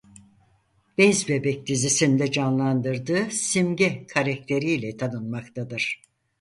Bez Bebek dizisinde canlandırdığı "Simge" karakteri ile tanınmaktadır.